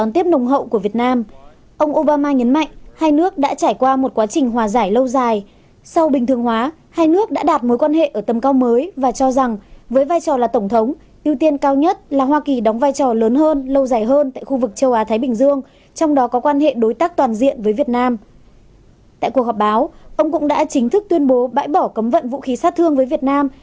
tại cuộc họp báo ông cũng đã chính thức tuyên bố bãi bỏ cấm vận vũ khí sát thương với việt nam